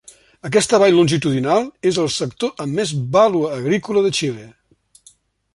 Aquesta vall longitudinal és el sector amb més vàlua agrícola de Xile.